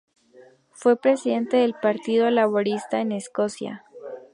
Fue presidente del Partido Laborista en Escocia.